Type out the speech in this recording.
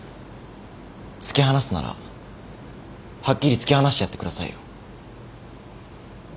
突き放すならはっきり突き放してやってくださいよ。